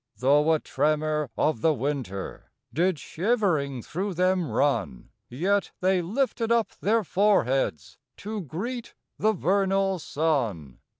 5 Though a tremor of the winter Did shivering through them run; Yet they lifted up their foreheads To greet the vernal sun.